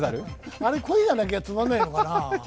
あれ、声がなきゃつまんないのかな。